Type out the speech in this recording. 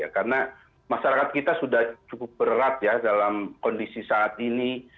karena masyarakat kita sudah cukup berat dalam kondisi saat ini